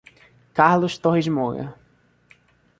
Carlos Torres Moura